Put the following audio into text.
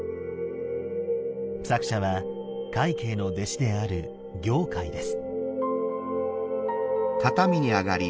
作者は快慶の弟子である行快です。